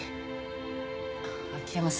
秋山さん。